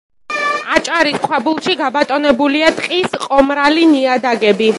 აჭარის ქვაბულში გაბატონებულია ტყის ყომრალი ნიადაგები.